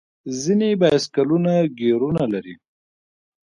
ځینې بایسکلونه ګیرونه لري.